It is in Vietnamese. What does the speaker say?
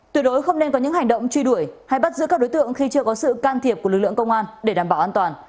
tuyệt đối không nên có những hành động truy đuổi hay bắt giữ các đối tượng khi chưa có sự can thiệp của lực lượng công an để đảm bảo an toàn